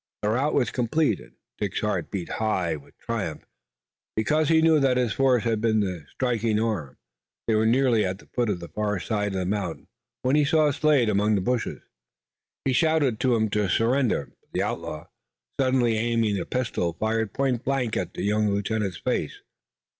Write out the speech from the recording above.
The rout was complete, and Dick's heart beat high with triumph, because he knew that his force had been the striking arm. They were nearly at the foot of the far side of the mountain, when he saw Slade among the bushes. He shouted to him to surrender, but the outlaw, suddenly aiming a pistol, fired pointblank at the young lieutenant's face.